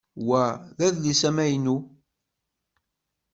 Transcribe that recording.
Wa d adlis amaynu.